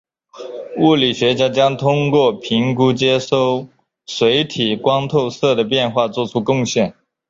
物理学家将通过评估接收水体光透射的变化做出贡献。